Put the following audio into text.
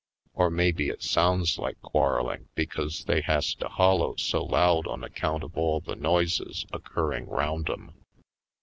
Or maybe it sounds like quarreling because Harlem Heights 67 they has to hollow so loud on account of all the noises occurring round 'em.